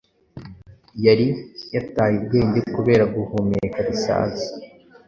yari yataye ubwenge kubera guhumeka lisansi